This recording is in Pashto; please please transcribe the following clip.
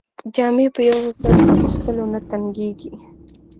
جامې په یو ځل اغوستلو نه تنګیږي.